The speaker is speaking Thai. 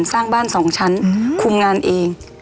สร้างบ้าน๒ชั้นคุมงานเอง